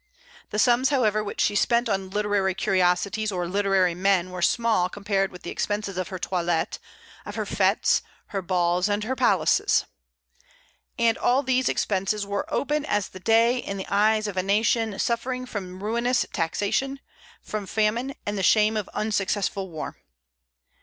The sums, however, which she spent on literary curiosities or literary men were small compared with the expenses of her toilet, of her fêtes, her balls, and her palaces. And all these expenses were open as the day in the eyes of a nation suffering from ruinous taxation, from famine, and the shame of unsuccessful war!